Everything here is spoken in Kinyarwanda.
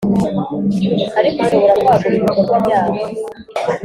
ariko ushobora kwagura ibikorwa byawo